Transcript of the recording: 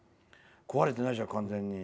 壊れてないじゃん、完全に。